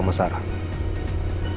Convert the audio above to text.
kita disuruh datang